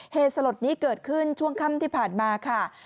เหตุสลดนี้เกิดขึ้นช่วงค่ำที่ผ่านมาค่ะ